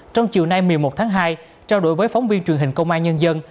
trong chiều nay một mươi một tháng hai trao đổi với phóng viên truyền hình công an nhân dân